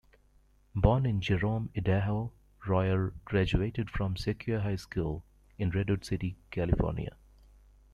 Born in Jerome, Idaho, Royer graduated from Sequoia High School in Redwood City, California.